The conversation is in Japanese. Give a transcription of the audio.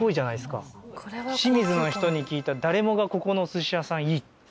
清水の人に聞いたら誰もがここのおすし屋さんいいって。